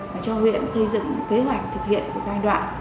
và cho huyện xây dựng kế hoạch thực hiện giai đoạn